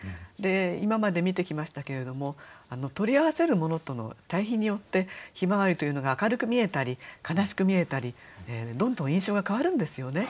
今まで見てきましたけれども取り合わせるものとの対比によって向日葵というのが明るく見えたり悲しく見えたりどんどん印象が変わるんですよね。